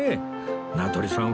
名取さん